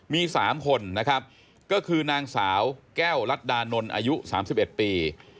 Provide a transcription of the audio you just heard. มีสามคนนะครับก็คือนางสาวแก้วรัฐดานนท์อายุสามสิบเอ็ดปี